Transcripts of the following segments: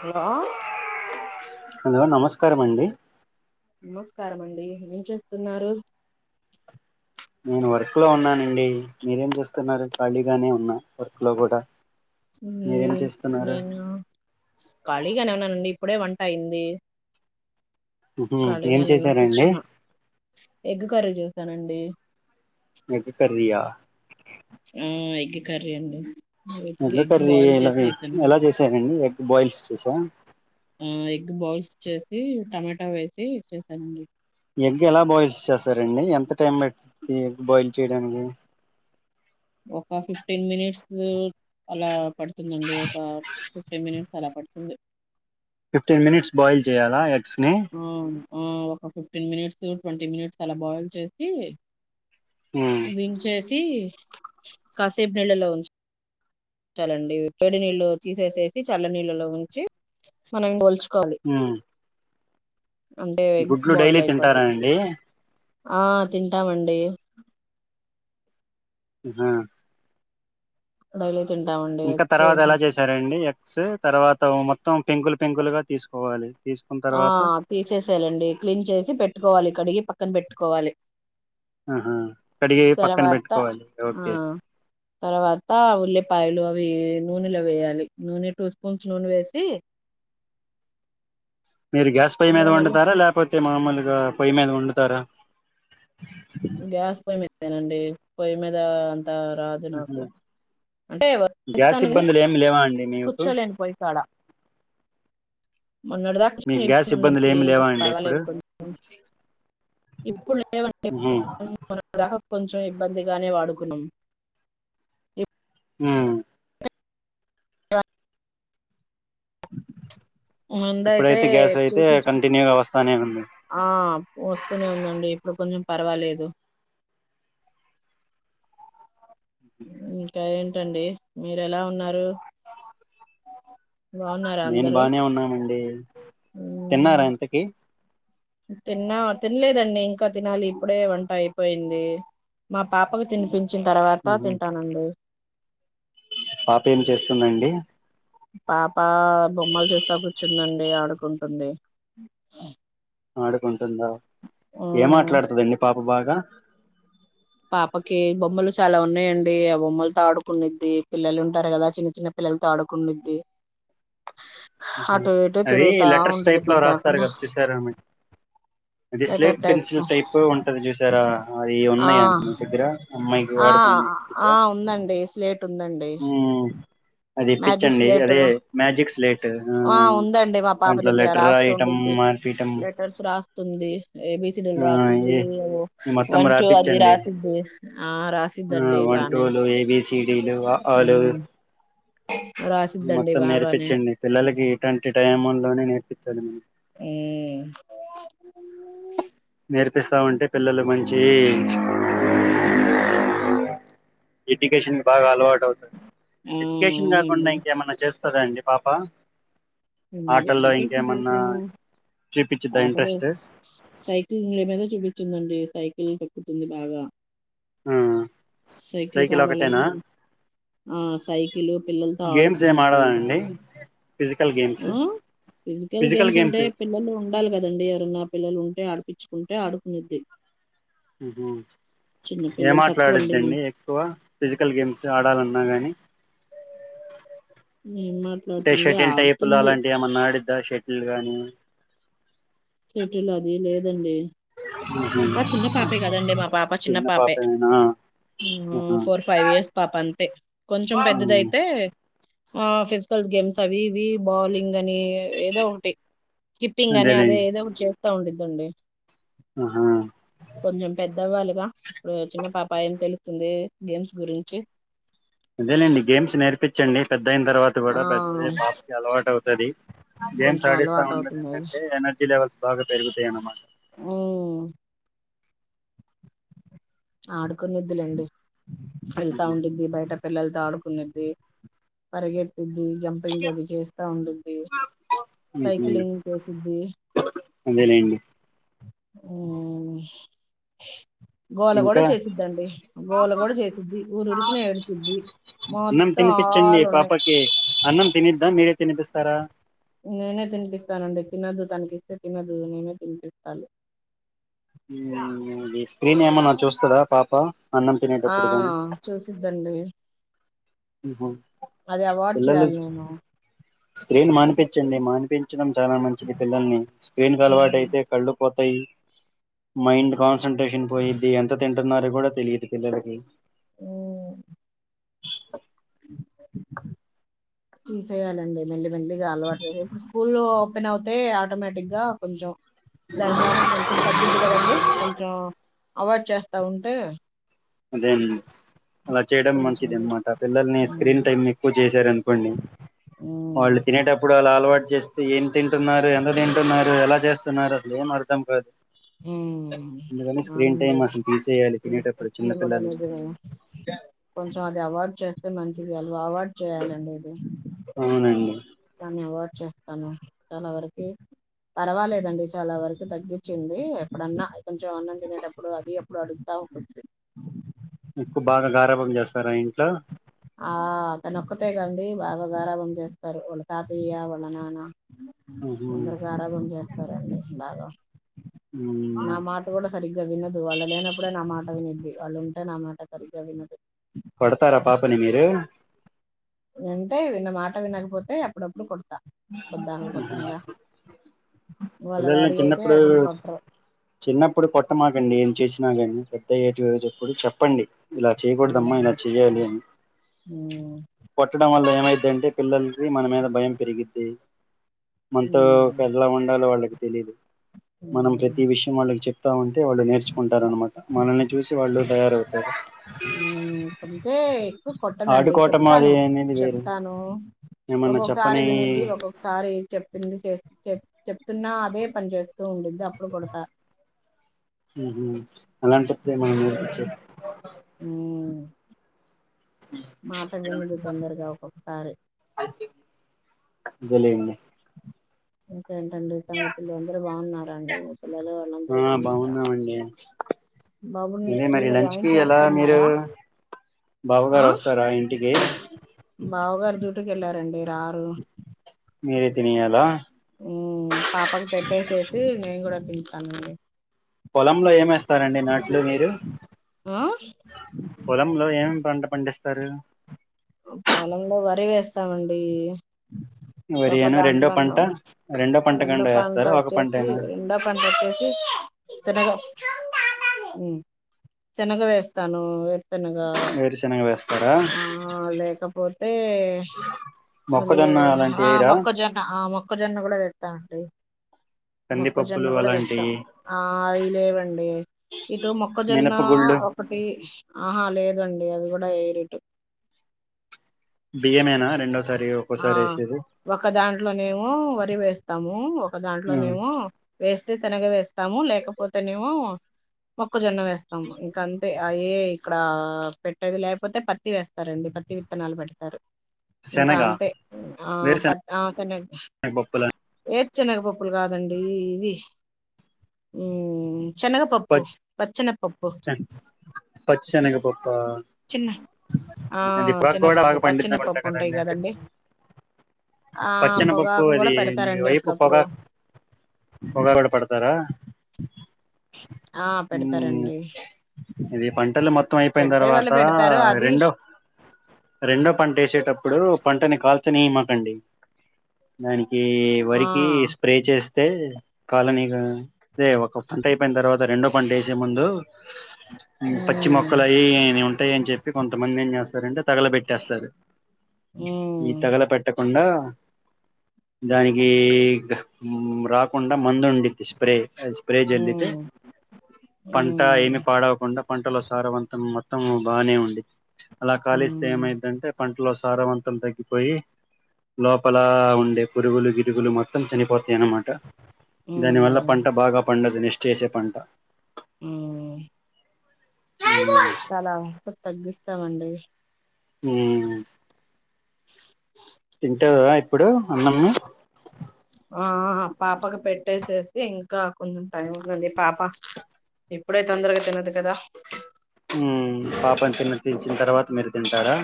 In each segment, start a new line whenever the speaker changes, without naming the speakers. Hello
కరమండి
నమస్కారం అండి ఏం చేస్తున్నారు
నేను వర్క్ లో ఉన్నానండి మీరేం చేస్తున్నారు ఖాళీగానే ఉన్నా వర్క్ లో కూడా
నే
మీరేం చేస్తున్నారు
నేను ఖాళీగానే ఉన్నానండి ప్పుడే వంట అయింది
ఉహు, ఏం
ఖాళీగానే నున్నా
చేశారండి
కూర్చునా స్తానండి
ఎగ్ కర్రీయా
మ్మ్ ఎగ్ కర్రీ అండి ఎగ్
ఎల
ఎగ్
కర్రీ
బాయిల్
వేయలా
చేసి
అని
చేసానండి
ఎలా చేసారండి ఎగ్ బాయిల్స్ చెసా ఆ
మ్మ్ ఎగ్ బౌయిల్స్ చేసి టమాటా వేసి చేసానండి
ఎగ్ ఎలా బాయిల్స్ చేస్తారండి ఎంత టైం పట్టింద్ ఎగ్ బాయిల్ చేయడానికి
ఒక ఫిఫ్టీన్ మినిట్స్ అలా పడుతుందండి ఒక ఫిఫ్టీ మినిట్ చాలా పడుతుంది
ఫిఫ్టీన్ మినిట్స్ బాయిల్ చేయాలా ఎగ్స్ ని
ఆవును ఒక ఫిఫ్టీన్ మినిట్స్ ట్వంటీ మినిట్స్ అలా బాయిల్ చేసి
ఉమ్,
వి చే కాసేపు నీళ్లలో ఉ చలండి పేడి నీళ్ళు తీసేసేసి చల్ల నీళ్ళలో ఉంచి మనం పోల్చు
ఆ
అంటే ఎగ్స్
గుడ్లు
బాయిల్
డైలీ తింటారా
అయిపోతాయి
అండి
ఆ తింటామండి
హా
డేలి
ఇంకా తర్వాత ఎలా చేశారండి స్ తర్వాత మొత్తం పెంకులు పెంకులుగా తీసుకోవాలి తీసుకున్న
ఆ
తర్వాత
తీసేసేయాలండి క్లీన్ చేసి పెట్టుకోవాలి కడిగి పక్క పక్కన పెట్టుకోవాలి
ఆహా కడిగి పక్కన
తర్వాత
పెట్టుకోవాలి
ఆ
ఓకే
తర్వాత ఉల్లిపాయలు అవి నూనెలో వేయాలి నూనె టూ స్పూన్స్ నూనె వేసి
మీరు గ్యాస్ పొయ్యి మీద
నూనెలో
వండుతారా లేకపోతే అతే మామూలుగా పొయ్యి మీద వండుతారా
గ్యాస్ పొయ్యి మీద నేనండి పొయ్యి మీద అంత రాదు
ఉహు
నాకు అంటే చెస్తా
గ్యాస్
కానీ
ఇబ్బందులు ఏమి లేవా అండి మీకు
కూర్చోలేను పోయ్యి కాడ మన్నోటిదాక
మీకు గ్యాస్
ఇబ్బంది
ఇబ్బందులు
ఉంది
ఏమి
ఇప్పుడు
లేవా అండి
పర్వాలేదు కొంచం ఇప్పుడులేవండి
ఉహు
కొంచెం ఇబ్బందిగానే వాడుకున్నాం ఇ
ఉమ్
ఉందయితే
ఇప్పుడైతే గ్యాస్ అయితే
చూసి
కంటిన్యూగా వస్తానే ఉంది
ఆ వస్తూనే ఉందండి ఇప్పుడు కొంచెం పర్వాలేదు ఇంకా ఏంటండి మీరు ఎలా ఉన్నారు బాగున్నారా
నేను
అందరూ
బానే ఉన్నానండి
మ్మ్.
తిన్నారా ఇంతకి
తిన్నా తినలేదండి ఇంకా తినాలి ఇప్పుడే వంట అయిపోయింది మా పాపకు తినిపించ చ్చిన తర్వాత
ఉహు
తింటానండి
పాప ఏం చేస్తుందండి
పాప బొమ్మలు చేస్తా కూర్చుందండి ఆడుకుంటుంది
ఆడుకొంట ఏం
మ్మ్.
మాట్లాడుతుది మీ పాప ఉ బాగా
పాపకి బొమ్మలు చాలా ఉన్నాయండి ఆ బొమ్మలతో ఆడుకున్నది పిల్లలు ఉంటారు కదా చిన్న చిన్న పిల్లలతో ఆడుకున్నది
అది లెటర్స్
ఉంటది
టైప్ లో రాస్తారు
పొద్దాకుల
కదా చూసారా అది
letter
slate
types
pencil type ఉంటది చూశారా అది ఉ
ఆ ఆ
వాడుకునేదా
ఆ ఉందండి స్లేటు ఉందండి
ఉమ్ అది పిచ్
మ్యాజిక్
అండి
స్లేటు
అదే మ్యాజిక్ స్లేట్
ఆ ఉందండి మా పాప
దాంట్లో
దగ్గర
లెటర్
రాస్తూ
రాయటం
ఉంటుంది
మార్పియటం
లెటర్స్ రాస్తుంది ఏ బి సి డి లు
ఆ ఏ
రాసిద్ది
మొత్తం
వన్ జో అది
రాపిచ్చండి
రాసిద్ధి ఆ రాసిద్దండి బానే
ఇడిలో ఆలో
మ్మ్ రాసిద్దండి
మొత్తం
బాగానే
నేర్పించండి పిల్ల అలాగే ఇటువంటి టైములోనే నే విత్తనము
ఏ
నేర్పిస్తా ఉంటే పిల్లలకు మంచి చే
మ్మ్
ఎడ్యుకేషన్ బాగా అలవాటు
ఆ
ఎడ్యుకేషన్
అవునండి.
కాకుండా ఇంకేమన్నా చేస్తాదండి పాప ఆటల్లో ఇంకేమన్నా చూపించిద్దా ఇంట్రెస్ట్
సైకిల్ ని మీదనే చూపించిందండి సైకిల్ ఉక్కుంది బాగా
ఆ
సైకిల్ కావాలం ఆ సైకిల్ పిల్లలతో
గేమ్స్ ఏం
ఆడుకునేది
ఆడదా అండి
బాగా
ఫిజికల్ గేమ్స్
ఆ ఫిజికల్ గేమ్స్ అంటే పిల్లలు ఉండాలి కదండీ ఎవరన్నా పిల్లలు ఉంటే ఆడిపించుకుంటే ఆడుకునేది
ఏం
పిల్లలు తక్కువండి మే
మాట్లాడద్దండి ఎక్కువ ఫిజికల్ గేమ్స్ ఆడాలను నాగాని
ఏం
టేష
మాట్లాడుతుంది
టెన్ టైప్ లో
ఆడుతుంది.
అలాంటివి ఏమన్నా ఆడి ధ షెటిల్ గానీ
షటిల్ అది లేదండి
ఉహు
ఇంకా చిన్న పాపే కదండి మా పాప చిన్న పాపే
ఆహా
ఫోర్ ఫైవ్ ఇయర్స్ పాప అంతే కొంచెం
ఉమ్
పెద్దదైతే ఆ ఫిజికల్ గేమ్స్ అవి ఇవి బౌలింగ్ అని ఏదో ఒకటి స్కిప్పింగ్ అని అదే
అదేలేండి
ఏదో ఒకటి చే [unintelligible]
ఆహా
కొంచెం పెద్దవాళ్ళు. గా ఇప్పుడు చిన్న పాప ఏం తెలుస్తుంది గేమ్స్ గురించి.
అదేలేండి గేమ్స్ నేర్పించండి పెద్ద్. దైన అయిన తర్వాత కూడా
ఆ
[unintelligible] పాపకి అలవాటు. తది. గేమ్స్
కొంచెం
ఆడిస్తా
అలవాటు
ఉండండి
అవుతున్నాయి
ఎందుకంటే ఎనర్జీ లెవెల్స్. బాగా పెరుగుతై అన్నమాట.
ఉమ్మ్ ఆడుకునేద్ది లెండి. వెళ్తా ఉండుద్ది బయట. పిల్లలతో ఆడుకునేద్దీ పరిగే. తిద్ది జంపింగ్ అది చేస్తా ఉండుద్ది,
ఉహు
సైకిలింగ్ చేసిద్ది.
అదేలేండి
ఉమ్మ్ గోల కూడా
ఇంకా
చేసిద్దండి, గోల కూడా చేసిద్ది. ఊరు ఉరుకునే ఏడ్చిద్ది,
అన్నం
మొత్తం
తినిపించండి
ఆల్ ఉన్నాయి.
పాపకి అన్నం తినిద్దా మీరే తినిపిస్తారా
నేనే తినిపిస్తానండి. తినదు తనికిస్తే తినదు నేనే తినిపిస్తాను.
హుమ్మ్ అది స్క్రీన్ ఏమన్నా చూస్తాడా పాప. అన్నం
ఆ
తినేటప్పుడు
చూసిద్దండి.
ఉహు
అది అవాయిడ్
పిల్లల్ని
చేయాలి
స్కీ
నేను
స్క్రీన్ మానిపించండి, మానిపించడం చాలా మంచిది. పిల్లల్ని స్క్రీన్ కు అలవాటు
ఉమ్.
అయితే కళ్ళుపోత్. ఫై మైండ్ కాన్సెంట్రేషన్ పో, ఎంత తింటున్నారో కూడా తెలియదు పిల్లలకి.
ఉమ్మ్ తీసేయాలండి మెల్లి మెల్లిగా, అలవాటు చేసే ఇప్పుడు స్కూల్ ఓపెన్ అవుతే ఆటోమేటిక్ గా కొంచెం. దాని [unintelligible] కొంచెం తగ్గుద్ది కదండి కొంచెం. అవాయిడ్ చేస్తా ఉంటే.
అదేండి అలా చేయడం
కొంచెం
మంచిది అన్నమాట పిల్లల్ని
మ్మ్
స్క్రీన్ టైమ్ ఎక్కువ చేస్. చార్ అనుకోండి, వాళ్ళు
మ్మ్
తినేటప్పుడు అలాలా. అలవాటు చేస్తే, ఏం తింటున్నారు, ఎంత తింటున్నారు, ఎలా చేస్తున్నారు అసలు ఏం అర్ధం కాదు.
మ్మ్
అందుకని స్క్రీన్ టైమ్ అసల్ తీసేయాలి తినేటప్పుడు.
అది కూడా
చిన్నపిల్లలకి
లేదు కొంచెం అది అవార్డ్ చే. చేస్తే మంచిది, అది అవార్డ్ చేయాలండి ఇది.
అవునండి.
దాన్ని అవాయిడ్ చేస్తాను, చాలా వరకి పర్వాలేదండి చాలా వరకు తగ్గించింది. ఎప్పుడన్న కొంచెం అన్నం తినేటప్పుడు అది ఎప్పుడు అడుగుతా ఉండుద్ది.
ఎక్కువ బాగా గారభం చేస్తారా ఇంట్లో.
ఆ అతనొక్కతే కండి బాగా గారాభం చేస్తారు వాళ్ళ తాతయ్య వాళ్ళ నాన్న
ఉహు
అందరూ గారాభం చే సరే అండి బాగా నా
మ్.
మాట కూడా సరిగ్గా వినదు వాళ్ళు లేనప్పుడే నా మాట వినిద్ది వాళ్ళు ఉంటే నా మాట సరిగ్గా వినదు
కొడతారా పాపని మీరు
అంటే విన్న మాట వినకపోతే అప్పుడప్పుడు కొడు
మ్మ్ హ్మ్
వాళ్ళ
పిల్లలని
డాడీ అయితే
చిన్నప్పుడు
అసలు కొట్టరు
చిన్నప్పుడు కొట్టమాకండి ఏం చేసినా కానీ, పెద్దయ్యేటి [unintelligible] ప్పుడు చెప్పండి ఇలా చేయకూడదమ్మా
ఉమ్
ఇలా చెయ్యాలి అని
ఉమ్
కొట్టడం వల్ల ఏం ఏమైద్దంటే పిల్లలకి మన మీద భయం పెరిగి ద్ది మనతో
ఉమ్
ఎలా ఉండాలో వాళ్ళకి తెలీదు మనం
ఉమ్
ప్రతీ విషయం వాళ్ళకి చెప్ తా ఉంటే వాళ్ళు నేర్చుకుం టారు అనమాట మనల్ని చూసి వాళ్ళు తయారవుతారు
మ్మ్ [unintelligible] తే ఎక్కు కొట్టనండి
ఆడుకోవటం
చెప్తాను
అది అనేది వేరు
చెప్తాను
ఏమన్నా
ఒక్కొక్కసారి
చెప్పని
వినిద్ది ఒక్కొక్కసారి చెప్పింది చే చె చెప్తున్నా అదే పని చేస్తు తూ ఉంటుంది అప్పుడు కొడ్త
అలాన్టప్పుడు మనం [inaudible]
హ్మ్ మాట విన్నగుడ్ తొందరగా ఒకోక్కసారి
అంతే లేండి
ఓ ఏంటండి సంగతుల్లు అందరు బాగున్నారండి పిల్లలు వాళ్ళందరు
ఆ
బాగున్నారా
బాగున్నామండి
బాబుని ఏ
అదే
స్కూ
మరి
లో
లంచ్
జాయిన్
కి ఎలా మీరు
చేస్తున్నారా ఆ
బావగారు వస్తారా ఇంటికి
బావగారు చు [unintelligible] వెళ్లారండి రారు
మీరే తినేయాలా
హ్మ్ పాపకు పెట్టేసేసి నేను కూడా తిటనండి
పొలంలో ఏమేస్తారండి నాట్లు మీరు
ఆ
పొలంలో ఏమేమి పంట పండిస్తారు.
ఆ పొలంలో వరి వేస్తామండి
వరి
ఒక
అను రెండో
దాంట్లో ఉన్నా
పంట పంట
రెండో
కండా
పంట
వేస్తారా ఒక
వచ్చేసి
పంటేనా
రెండో పంట వచ్చేసి శెనగ హ్మ్ శెనగ వేస్తాను వే
వేరుశనగ వేస్తారా
ఆ లేకపోతే ఇది
మొక్కజొన్న అలాంటివి
ఆ
వేయరా
మొక్కజొన్న ఆ మొక్కజొన్న కూడా వేస్తామండి మొక్కజొన్న
కందిపప్పులు
కూడా వేస్తాం
అలాంటివి
ఆ అవి లేవండి ఇటు మొక్కజొన్న
మినప గుళ్ళు
ఒకటి ఆహా లేదండి ఏవ్ కూడా ఏరిటి
బియ్యమే త్
ఆ ఒక దాంట్లోనేమో వర్ రి వేస్తాము క దాంట్లోనేేమో వేస్ ప తనగ వేస్తాము లేకపోతేనేమో మొక్కజొన్న వేస్తాము ఇంకా అంతే అయ ఇక్కడ పెట్టేది లేకపోతే పత్తి వేస్తారండి పత్తి విత్తనాలు పెడతారు ఇంకా
శనగ
అంతే ఆ పత్
వేరుశనగ
ఆ స
పప్పుల
ఏప్ చ్చెనగపప్పులు కాదండి ఇవి ఈ చెనగ పప్పు పచ్చనప్
పచ్చ పచ్చనగా వ
చిన్న ఆ
అది పొగాక్ కూడా
శనగపప్పు
బాగా పండిద్దామంటా
పచ్చెనగపప్పు ఉంటాయి
కదండి అ
ఆ
పచ్చనపప్పు
పొగాకు కూడా
అది మీ
పెడతారండి
వైపు
అప్పుడప్పుడు
పొగాక్ పొగా కూడా పడతారా
ఆ
మ్మ్
పెడతారండి
ఇది పంటలు మొత్తం అయిపోయిన
పెడితే
తర్వాత
వాళ్ళు పెడతారు అది
రెండో రెండో పంట వేసేటప్ ఇప్పుడు పంటని కాల్చనియమకండి దానిక్ ఈ
ఆ
వరికి స్ప్రే చేస్ అతే కాలనీగా ఒక పంట అయిపోయిన తర్వాత రెండో పంటేసే ముందు పచ్చి
మ్
మొక్కలు ఆవి ఉంటాయి అని చెప్పి కొంతమంది ఏం చేస్తార్ సరెండర్ తగల పెెట్టేస్తారు
మ్
ఈ తగల పెట్టకుండా దానికి మ్మ్ రాకుండా మందు ఉండిద్ది స్ప్రే స్ప్రే జల్లితే
మ్
పంట ఏమి
మ్
పాడవకుండా పంటల సారవంతం మొత్తం బానే ఉంది అలా కాలీస్తే
మ్
ఏమైద్ అంటే పంటలో సారవంతం తగ్గిపోయి లోపల ఉండే పురుగులు గిరుగులు మొత్తం చనిపోతాయ అనమాట ట దాని వల్ల
మ్
పంట బాగా పండ్ అది నిశ్చేసే పంట
మ్మ్ చాలా అస తగ్గిస్తామండి
ఆ తింటాదా ఇప్పుడు అన్నమ్ము
ఆ పాపకు పెట్టేసేసి ఇంకా కొంచెం టైం ఉందంది పాప ఎప్పుడై తొందరగా తినదు కదా
ఉ పాపం తిన్న పంచిన తర్వాత మీరు తంటారా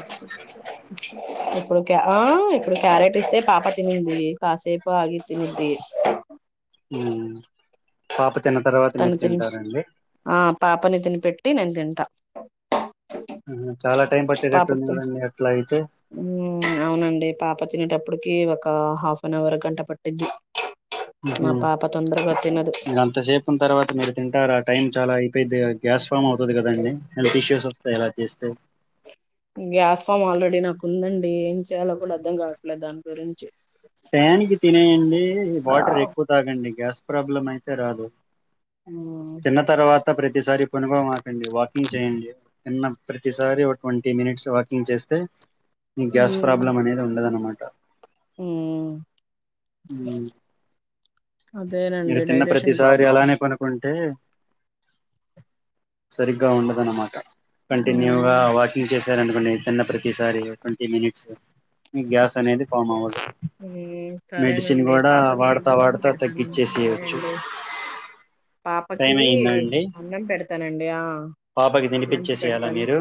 ప్రస్తే పాప తిన్నది కాసేపు ఆగి తినిద్ది
పాప తిన్న తర్వాత
తను
మీరు
తిని
తింటారండి
ఆ పాపని తిని పేట్టి నేను తి
చాలా టైం
పాప
పట్టేటట్టుంది కదండి అట్లా అయితే
అవునండి పాప తినేటప్పటికి ఒక హాఫ్ అన్ అవర్ గంటా పట్టద్ది మా
ఉహు
పాప తొందరగా తినదు
న్న తర్వాత మీరు తింటారు ఆ టైం చాలా అయిపోయిద్ది గ్యాస్ ఫామ్ అవుతుంది కదండి హెల్త్ ఇష్యూస్ వస్తాయి ఎలా చేస్తే
గ్యాస్ ఫామ్ ఆల్రెడీ నాకు ఉందండి ఏం చేయాలో కూడా అర్ధం కావట్లేదు దాని గురించి
టైముకి తినేడి వాటర్ ఎక్కువ తాగండి గ్యాస్ ప్రాబ్లం అయితే రాదు తిన్న తర్వాత ప్రతిసారి పనుకో మకండి వాకింగ్ చేయండి తిన్న ప్రతిసారి ఒక ట్వంటీ మినిట్స్ వార్కింగ్ చేస్తే న గ్యాస్
మ్మ్
ప్రాబ్లం అనేది ఉండదు అన్నమాట
అదేనండి డైజెషన్ ప్రాబ్లం
అంటే సరిగ్గా ఉండదన్నమాట
ఉమ్
కంటిన్యూగా వాకింగ్ చేశారనుకోండి తిన్న ప్రతిసారి ట్వంటీ మినిట్స్ గ్యాస్ అనేది ఫమదు
సరేనండి పాపకి
వాడతా
గురం
వాడతా
పెడతాను
తగ్గిచ్చేసేయొచ్చు టైం
పాపకి
అయిందండి
అన్నం పెడతానండి ఆ
పాపకి
లంచ్
తినిపించేసేయాలా
పెడతాను
మీరు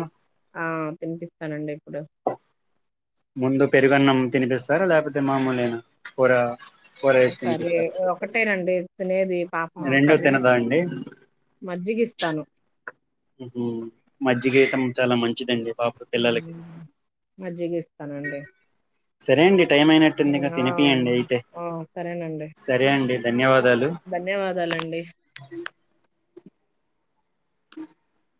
ఆ తినిపిస్తానండి ఇప్పుడు
ముందు పెరుగన్నం తినిపిస్తారా లేకపోతే మామూలునా కూ
కర్రీ ఒకటేనండి తినేది పాపం
రెండు
కర్రీ పె
తినదా అండి
మజ్జిగ ఇస్తాను
మజ్జిగ ఇయ్యాటం చాలా మంచి
మజ్జిగా ఇస్తానండి
సరే అండి టైం అయినట్టుంది ఇక తినిపియండి అయితే
ఆ సరేనండి
సరే అండి ధన్యవాద
ధన్యవాదాలండి
[unintelligible]